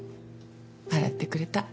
笑ってくれた。